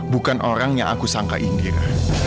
bukan orang yang aku sangka inggris